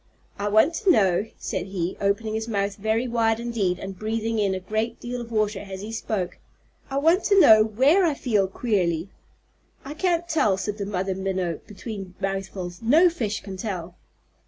"I want to know," said he, opening his mouth very wide indeed and breathing in a great deal of water as he spoke, "I want to know where I feel queerly." "I can't tell," said the Mother Minnow, between mouthfuls. "No fish can tell."